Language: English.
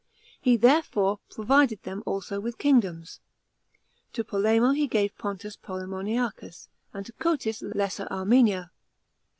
He there fore provided them also with kingdoms. To Polemo he gave Pontus Polemoniacns, and to Cotys Lesser Armenia.